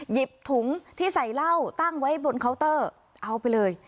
หยิบถุงที่ใส่เหล้าตั้งไว้บนเคาน์เตอร์เอาไปเลย